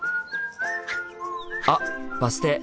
あバス停。